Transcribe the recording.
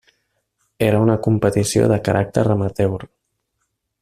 Era una competició de caràcter amateur.